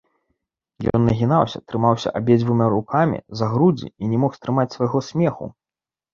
Ён нагінаўся, трымаўся абедзвюма рукамі за грудзі і не мог стрымаць свайго смеху.